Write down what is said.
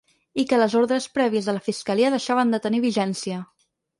I que les ordres prèvies de la fiscalia ‘deixaven de tenir vigència’.